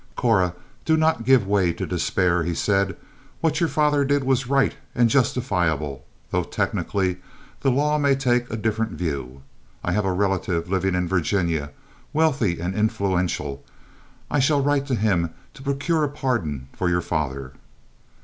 "Cora, don't give way to despair," he said. "What your father did was right and justifiable, though technically the law may take a different view. I have a relative living in Virginia, wealthy and influential. I shall write to him to procure a pardon for your father."